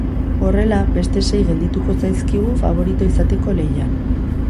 Horrela, beste sei geldituko zaizkigu faborito izateko lehian.